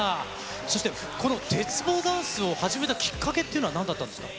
そして、この鉄棒ダンスを始めたきっかけっていうのは、何だったんですか。